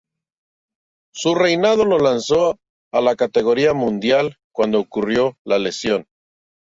Su reinado lo lanzó a la categoría mundial, cuando ocurrió la lesión.